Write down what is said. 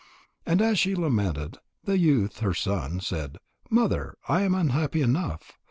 And as she lamented, the youth, her son, said: "Mother, I am unhappy enough.